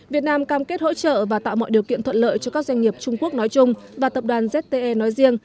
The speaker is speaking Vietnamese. việt nam cam kết hỗ trợ và tạo mọi điều kiện thuận lợi cho các doanh nghiệp trung quốc nói chung và tập đoàn zte nói riêng